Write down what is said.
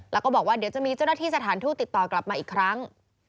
แล้วก็บอกว่าเดี๋ยวจะมีเจ้าหน้าที่สถานทูตติดต่อกลับมาอีกครั้ง